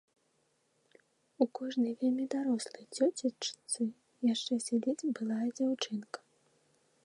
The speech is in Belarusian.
У кожнай вельмі дарослай цёцечцы яшчэ сядзіць былая дзяўчынка.